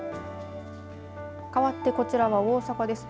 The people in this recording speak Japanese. かわって、こちらは大阪です。